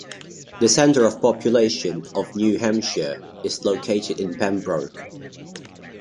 The center of population of New Hampshire is located in Pembroke.